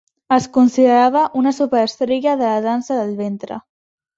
És considerada una superestrella de la dansa del ventre.